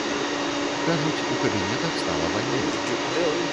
Кажуць, у кабінетах стала вальней.